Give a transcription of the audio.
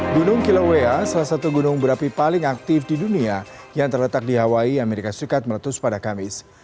gunung kilowea salah satu gunung berapi paling aktif di dunia yang terletak di hawaii amerika serikat meletus pada kamis